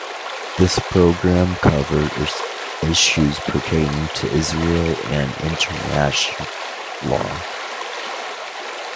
This program covers issues pertaining to Israel and international law.